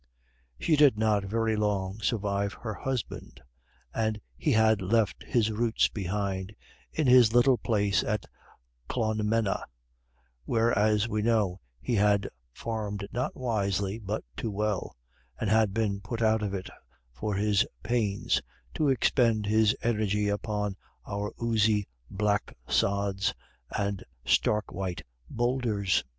She did not very long survive her husband, and he had left his roots behind in his little place at Clonmena, where, as we know, he had farmed not wisely but too well, and had been put out of it for his pains to expend his energy upon our oozy black sods and stark white bowlders.